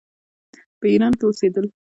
په ایران کې اوسېدل.